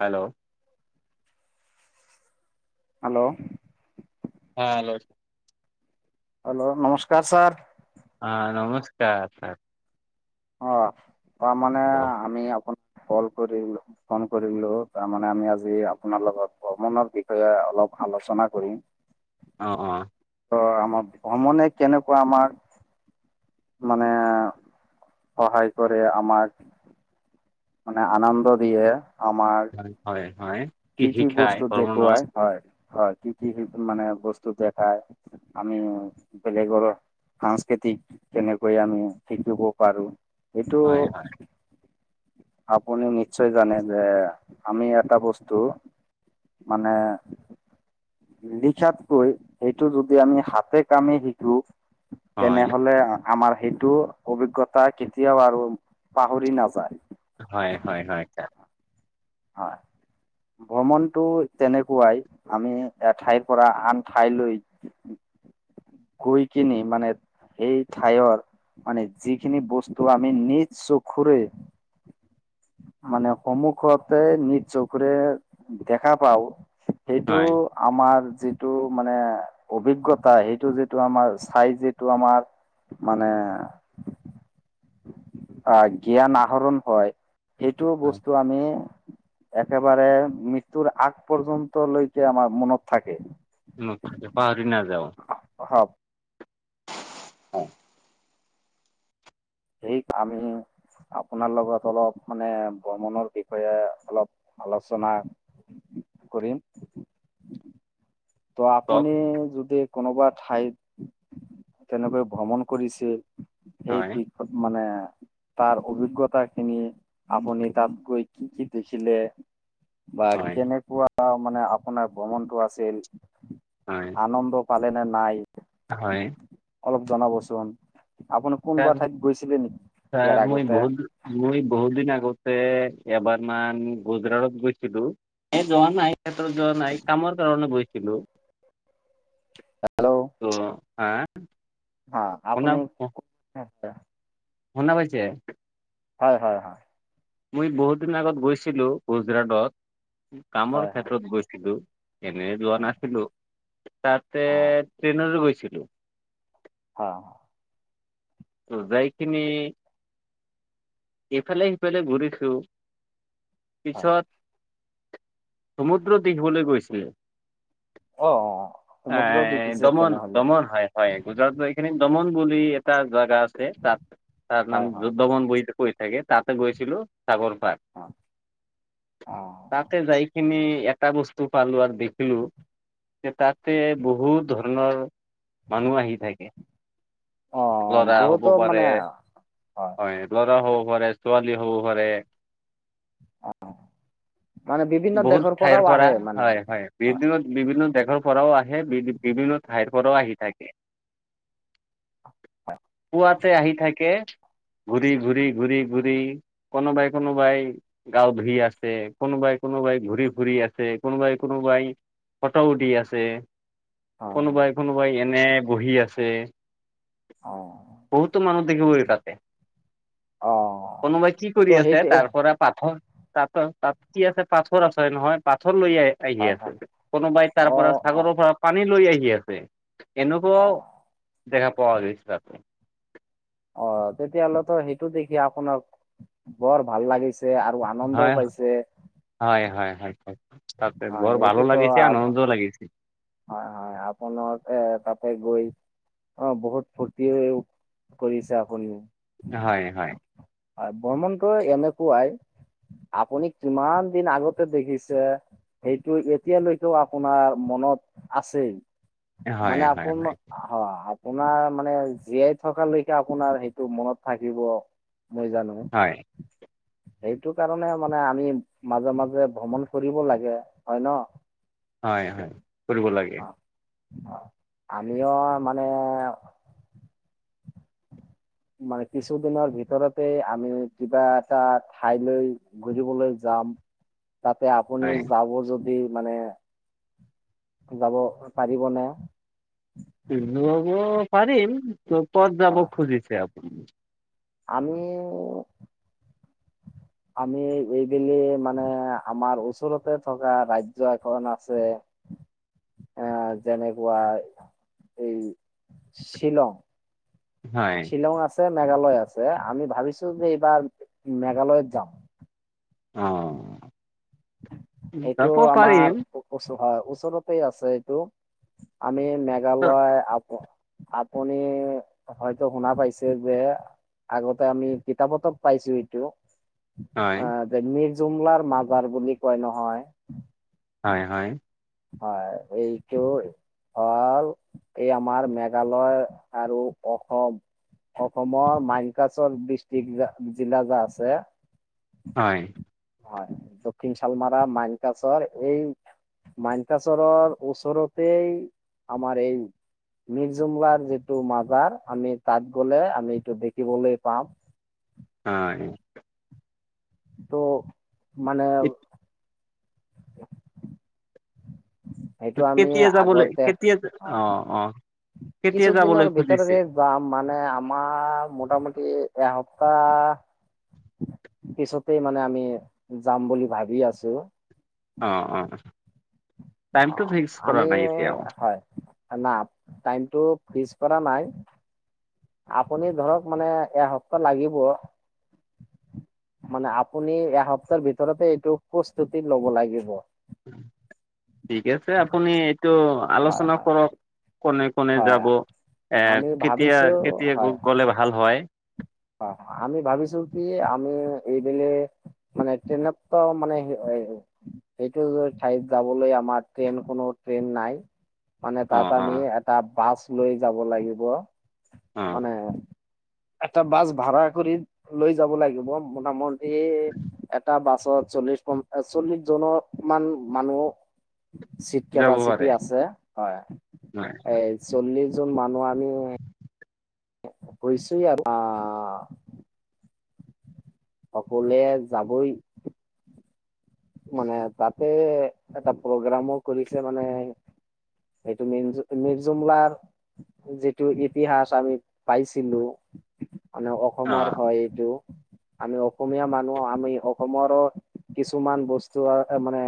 Hello. Hello. হ hello. Hello নমস্কাৰ sir. অ' নমস্কাৰ। অ' তাৰমানে অ আমি অপোনাৰ কল কৰিলোঁ, ফ'ন কৰিলোঁ তাৰমানানে আমি আজি আপোনাৰ লগত ভ্ৰমণৰ বিষয়ে অলপ আলোচনা কৰিম। অ', অ'। অ' আমাৰ ভ্ৰমণে কেনেকুৱা আমাৰ মানে সহায় কৰে আমাক? মানে আনন্দ দিয়ে। আমাৰ হয় হয় হয়। কি কৃষি কি খাই বস্তু ভ্ৰমণত দেখুৱাই, হয়। হয় কি কি মানে বস্তু দেখায়, আমি বেলেগৰো সাংস্কৃতিক কেনেকৈ আমি শিকিব পাৰোঁ। এইটো হয় হয় আপুনি নিশ্চয় জানে যে আমি এটা বস্তু টো মানে লিখাতকৈ সেইটো যদি আমি হাতে কামে শিকো হয় তেনেহ'লে আ আমাৰ সেইটো অভিজ্ঞতা কেতিয়াও আৰু পাহৰি নাযায়। হয় হয় ছাৰ হয়। ভ্ৰমণটো তেনেকুৱাই আমি এঠাইৰপৰা আন ঠাইলৈ গৈ কিনি মানে সেই ঠাইৰ মানে যিখিনি বস্তু আমি নিজ চকুৰে মানে সন্মুখত তে নিজ চকৰে দেখা পাওঁ সেইটোটো হয় আমাৰ যিটো মানে অভিজ্ঞতা, সেইটো যিটো আমাৰ চাই যিটো আমাৰ মানে আ, জ্ঞান আহৰণ হয়। এইটো হয় বস্তু আমি একেবাৰে মৃত্যুৰ আগ পৰ্যন্তলৈকে আমাৰ মনত থাকে। মনত থাকে, পাহৰি নাযাওঁ। হয়। হয় ৰিক আমি আপোনাৰ লগত অলপ মানে ভ্ৰমণৰ বিষয়ে অলপ আলোচনা কৰিম। ত' কওক আপুনি যদি কোনোবা ঠাইত তেনেকৈ ভ্ৰমণ কৰিছিল সেই হয় দিশত মানে তাৰ অভিজ্ঞতা খিনি আপুনি তাত গৈ কি কি দেখিলে বা হয় কেনেকুৱা মানে আপোনাৰ ভ্ৰমণটো আছিল, হয় আনন্দ পালে নে নাই। হয়। অলপ জনাবচোন। আপুনি কোনোবা ছাৰ, ঠাইত গৈছিলে নেকি ইয়াৰ ছাৰ মই আগতে বহুত, মই বহুত দিন আগতে এবাৰ মমান গুজৰাটত গৈছিলো। এ, যোৱা নাই ক্ষেত্ৰত যোৱা নাই। কামৰ কাৰণে গৈছিলো। হেল্ল'? হ হা আপনি শুনা পাইছে। হয়, হয়, হয়। মই বহুত দিন আগত গৈছিলো, গুজৰাটত কামৰ হয় ক্ষেত্ৰত গৈছিলো। এনে লোৱা হয় নাছিলো তাতে অ ট্ৰেইনতো গৈছিলো। হ যাইখিনি ইফালে, সিফালে ঘূৰি খু পিছত সমুদ্ৰ দেখ ব [unintelligible] লৈ গৈছিলে। অ অ সমুদ্ৰ আহ দেখিছে দমন, তেনেহলে দমন, হয়, হয় গুজৰাট এইখিনি দমন বুলি এটা জাগা আছে তাত তাৰ হয় নাম হয় দমন বহি কৈ থাকে তাতে গৈছিলো। সাগৰ পাক হয় অ তাকে যাইখিনি এটা বস্তু পালো আৰু দেখিলো। যে তাতে বহুত ধৰণৰ মানুহ আহি থাকে। অ লৰা হ'ব বহুতো পাৰে মানে হয় ল হ'ব ছোৱালী হ'ব পাৰে। মানে বিভিন্ন বহুত দেশৰ ঠাইৰ পৰাও পৰা আহে মানে হয়, হয় বি, বিভিন্ন দেশৰ পৰাও আহে বি, বিভিন্ন ঠাইৰ পৰাও আহি থাকে। পুৱাতে আহি থাকে ঘূৰি ঘূৰি, ঘূৰি, ঘূৰি কোনোবাই, কোনোবাই গাওঁ ধুই আছে কোনোবাই, কোনোবাই ঘূৰি ঘুৰি আছে কোনোবাই, কোনোবাই ফটু উঠি দি আছে। হয় হয় কোনোবাই, কোনোবাই এনে বহি আছে অ বহুতো মানুহ [unintelligible] তাতে অ কোনোবাই কি ত' কৰি আছে সেইটোৱে তাৰ পৰা পাঠৰ তাত, তাত কি আছে পাথৰ আছে নহয় পাথৰ ৰ লৈ আহ, আহি হয় আছে। হয় কোনোবাই তাৰ অ পৰা অ ছাগৰৰ পৰা পানী লৈ আহি আছে। অ এনেকুৱাও দেখা পোৱা গৈ হৈছে। অ, তেতিয়া হ'লেতো সেইটো দেখি আপোনাক বৰ ভাল লাগিছে। আৰু আনন্দও হয় পাইছে। হয় হয়, হয় তাতে হয় বৰ ভালো সেইটোতো লাগিছে আ- আনন্দ লাগিছে। হয়, হয় আপোনাৰ এ তাতে গৈ অ, বহুত ফূুৰ্তি হৈ কৰিছে আপুনি হয়, হয়। আৰু ভ্ৰমণটো এনেকুৱাই আপুনি কিমান দিন আগতে দেখিছে সেইটো এতিয়ালৈকেও আপোনাৰ মনত আছে হয় মানে হয় আপোন হয় অ'। আপোনাৰ মানে জীয়াই থকালৈকে আপোনাৰ সেইটো মনত থাকিব। মই জানো হয় সেইটো কাৰণে মানে আমি মাজে, মাজে ভ্ৰমণ কৰিব লাগে হয় ন। হয়, হয় কৰিব লাগে। আমিও মানে [inaudible] মানে কিছুদিনৰ ভিতৰতে আমি কিবা এটা ঠাইলৈ গুৰিবলৈ যাম। [inaudible] তাতে আপুনি হয় যাব যদি এই মানে যাব পাৰিবনে? যাব পাৰিম, ত' ক'ত যাব খুজিছে আপুনি? আমি আমি এইবেলি মানে আমাৰ ওচৰতেই থকা ৰাজ্য এখন আছে। [unintelligible] অহ, যেনেকুৱা এই শ্বিলং। হয়। শ্বিলং আছে, মেঘালয় আছে, আমি ভাবিছোঁ যে এইবাৰ মেঘালয়ত যাওঁ। অহ। এইটো আমাৰ কচু হ ওচৰতেই আছে এইটো, আমি মেঘালয় আ আপুনি হয়তো শুনা পাইছে যে আগতে আমি কিতাপটো পাইছোঁ এইটো। হয় অহ, যে মিৰ্জুমলাৰ মাজাৰ বুলি কয় নহয়। হয় হয় হয়, এই তেওঁৰ হ'ল এই আমাৰ মেঘালয় আৰু অসম। অসমৰ মাৰকাচাৰ ডিষ্ট্ৰিক্ট জিলা যে আছে হয়। হয়, দক্ষিণ চালমাৰা মানকাচৰ এই মানকাচৰৰ ওচৰতেই আমাৰ এই মৰ্জুমলাৰ যিটো মাজাৰ, আমি তাত গ'লে আমি এইটো দেখিবলৈ পাম। হয়। ত' মানে সেইটো আমি কেতিয়া যাবলৈ আগতে, কেতিয়া হয়। অ অ কেতিয়া যাবলৈ কিছুদিনৰ খুজিছে ভিতৰতেই যাম, মানে আমাৰ মোটামুটি এসপ্তাহ পিছতেই মানে আমি যাম বুলি ভাবি আছোঁ। অ', অ'। টাইমটো অ', ফিক্স কৰা আমি নাই এতিয়াও হয় না টাইমটো পিচ কৰা নাই, আপুনি ধৰক মানে এসপ্তাহ লাগিব। মানে আপুনি এসপ্তাহ ভিতৰতেই এইটো প্ৰস্তুতি ল'ব লাগিব। ঠিক আছে আপুনি এইটো হয় আলোচনা হয় কৰক, কোনে কোনে হয় যাব? এ আমি কেতিয়া, ভাবিছোঁ কেতিয়া গ'লে ভাল হয়? অ', আমি ভাবিছোঁ কি? আমি এইবেলি মানে কেনেকে মানে সেইটো ঠাইত যাবলৈ আমাৰ ট্ৰেইন কোনো ট্ৰেইন নাই। মানে অ তাত অ আমি এটা বাছ লৈ যাব লাগিব। অ মানে এটা বাছ ভাৰা কৰি লৈ যাব লাগিব, মোটামটি এটা বাছ চত চল্লিশ পঞ্চাচ, চল্লিশ জনমান মানুহ চিট যাব কেপাচিটি পাৰে আছে। হয়, হয় এই চল্লিশ জন মানুহ আমি গৈছোঁ [unintelligible] আ সকলোৱেই যাবই। মানে তাতেই এটা প্ৰগ্ৰামো কৰিছে মানে। সেইটো মিৰ মিৰ্জুমলাৰ যিটো ইতিহাস আমি পাইছিলোঁ [unintelligible] মানে অ অসমৰ হয় এইটো। আমি অসমীয়া মানুহ, আমি অসমৰো কিছুমান বস্তু বস্তু মানে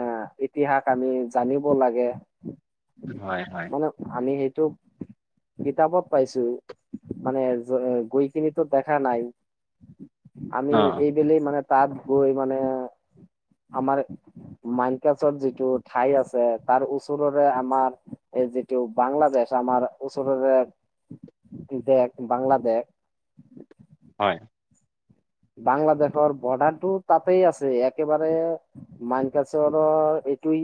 ইতিহাস আমি জানিব লাগে। হয় হয় মানে আমি সেইটো কিতাপত পাইছোঁ, মানে গৈ কিনিটো দেখা নাই। আমি অ এইবেলি মানে তাত গৈ মানে আমাৰ মানকাছাৰ যিটো ঠাই আছে তাৰ ওচৰৰে আমাৰ এই যিটো বাংলাদেশ আমাৰ ওচৰৰে দেশ বাংলাদেশ হয়। বাংলাদেশৰ বৰ্ডাৰটো তাতেই আছে, একেবাৰে মানকাছাৰৰ এইটোই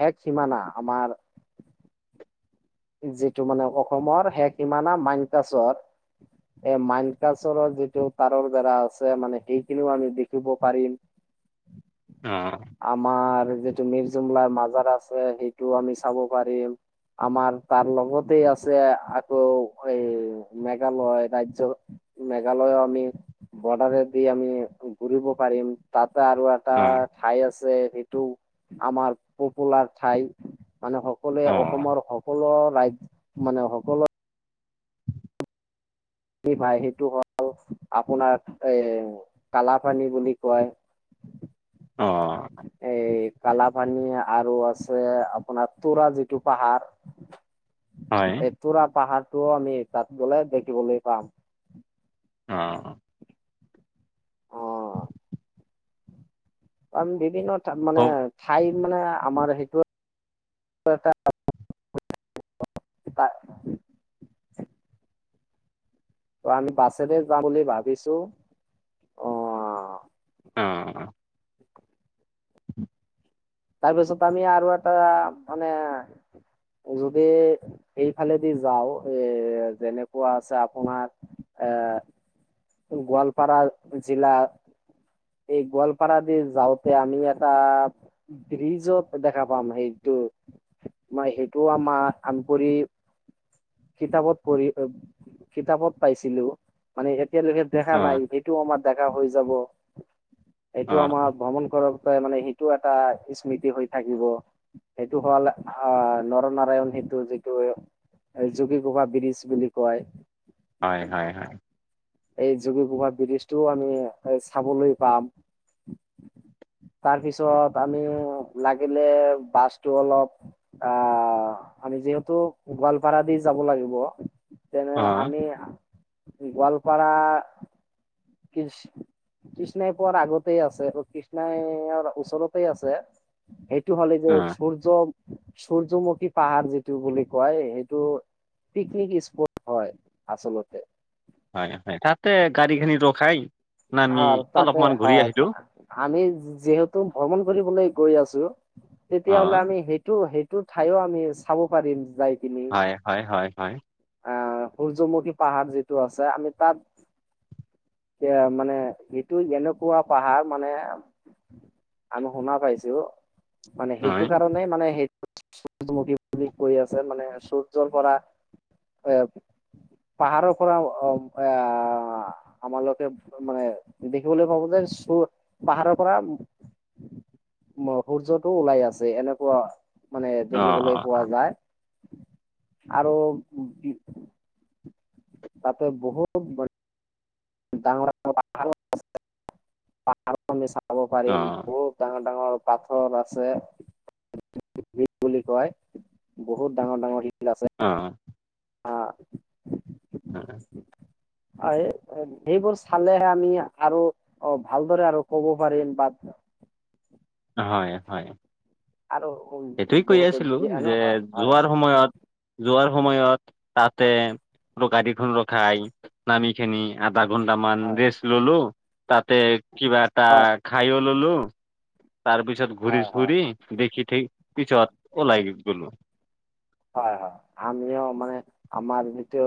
শেষ সীমা না আমাৰ [inaudible] যিটো মানে অসমৰ শেষ সীমা না মানকাছৰ এই মাইনকাছৰৰ যিটো তাঁৰৰ বেৰা আছে মানে সেইখিনিও আমি দেখিব পাৰিম। [inaudible] অ আমাৰ যিটো মিৰ্জুমলাৰ মাজাৰ আছে সেইটো আমি চাব পাৰিম, আমাৰ তাৰ লগতে আছে আকৌ এই মেঘালয় ৰাজ্য, মেঘালয় [unintelligible] বৰ্ডাৰ দি আমি ঘূৰিব পাৰিম তাত আৰু এটা অ ঠাই আছে সেইটো আমাৰ পপুলাৰ ঠাই। মানে সকলোৱে অসমৰ সকলো ৰাজ্য মানে সকলো ভাই সেইটো হ'ল আপোনাৰ এ কালাপানী বুলি কয়। [inaudible] এই কালাপানী আৰু আছে আপোনাৰ তোৰা যিটো পাহাৰ হয় এই তোৰা পাহাৰটোও আমি তাত গ'লে দেখিবলৈ পাম। অ'। অ [unintelligible] বিভিন্ন মানে হ'ব ঠাই মানে আমাৰ সেইটো এটা [unintelligible] ত' আমি বাছেৰে যাম বুলি ভাবিছো অ'। অ'। তাৰপিছত আমি আৰু এটা মানে যদি এইফালেদি যাওঁ, এ যেনেকুৱা আছে আপোনাৰ এ, গোৱালপাৰা জিলা এই গোৱালপাৰা দি যাওঁতে আমি এটা ব্ৰীজত দেখা পাম সেইটো মই সেইটোও আমাৰ আম কৰি কিতাপত পঢ়ি, কিতাপত পাইছিলো মানে এতিয়ালৈকে দেখা অ নাই, সেইটোও আমাৰ দেখা হৈ যাব। অ এইটো আমাৰ ভ্ৰমণ কৰাৰ পৰা মানে এটা স্মৃতি হৈ থাকিব সেইটো হ'ল আহ নৰনাৰায়ণ সেতুটো যিটো এই যোগীঘোপা ব্ৰীজ বুলি কয়। হয়, হয়, হয়। এই যোগীঘোপা ব্ৰিজটোও আমি চাবলৈ পাম। তাৰপিছত আমি লাগিলে বাছটো অলপ আ আমি যিহেতু গোৱালপাৰা দি যাব লাগিব তেনে অ আমি গোৱালপাৰা, কি কৃষ্ণাই পোৱাৰ আগতেই আছে কৃষ্ণাইৰ ওচৰতেই আছে। সেটো হ'লে যে অ সূৰ্য সূৰ্যমুখী পাহাৰ যিটো বুলি কয়, সেইটো পিকনিক স্পট হয় আচলতে। হয়, হয়, তাতে গাড়ীখিনি ৰখাই নামি হয়, তাতে অলপমান ঘূৰি হয়, আহিলো আমি যিহেতু ভ্ৰমণ কৰিবলৈ গৈ আছো অ তেতিয়াহ'লে আমি সেইটো, সেইটো ঠাইও আমি চাব পাৰিম যাই। হয়, হয়, হয়, হয়। অ', সূৰ্যমুখী পাহাৰ যিটো আছে আমি তাত এয়া, মানে সিটো এনেকুৱা পাহাৰ মানে আমি শুনা পাইছো মানে, হয় সেইটো কাৰণে মানে, সেই সূৰ্যমুখী বুলি কৈ আছে, মানে, সূৰ্যৰ পৰা [unintelligible] পাহাৰৰ পৰা অ আহ আমালোকে মানে, দেখিবলৈ পাব যে পাহাৰৰ পৰা মানে, সূৰ্যটো ওলাই আছে এনেকুৱা মানে, অ দেখিবলৈ পোৱা যায় আৰু তাতে, বহুত [inaudible] [inaudible] চাব অ পাৰিম, বহুত ডাঙৰ ডাঙৰ পাথৰ আছে [inaudible] কয়, বহুত ডাঙৰ ডাঙৰ অ', অ', হয়। হয়, সেইবোৰ চালেহে আমি আৰু অ', ভালদৰে আৰু কব পাৰিম বা হয়, হয় আৰু উম, সেইটোৱে কৈ বহুত আছিলো দিয়ে ন যে, হয় হয় যোৱাৰ সময়ত যোৱাৰ সময়ত তাতে, গাৰিখন ৰখাই নামি কিনি [unintelligible] ঘন্টা মান হয় ৰেষ্ট ললো, তাতে কিবা এটা খাইও ললো তাৰ পিছত, ঘূৰি হয় হয় ফুৰি দেখি ঠিক পিছত ওলাই গলো হয়, হয়, আমিও মানে, আমাৰ যিটো